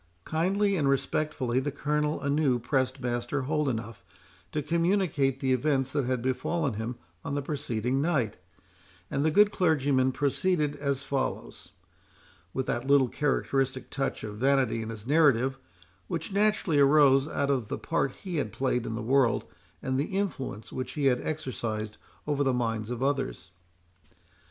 Kindly and respectfully the Colonel anew pressed Master Holdenough to communicate the events that had befallen him on the preceding night; and the good clergyman proceeded as follows, with that little characteristic touch of vanity in his narrative, which naturally arose out of the part he had played in the world, and the influence which he had exercised over the minds of others.